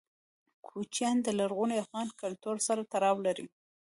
کوچیان د لرغوني افغان کلتور سره تړاو لري.